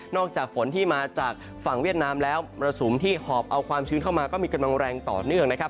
จากฝนที่มาจากฝั่งเวียดนามแล้วมรสุมที่หอบเอาความชื้นเข้ามาก็มีกำลังแรงต่อเนื่องนะครับ